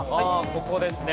ここですね。